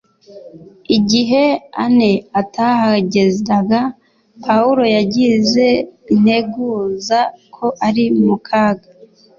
Igihe Anne atahageraga, Pawulo yagize integuza ko ari mu kaga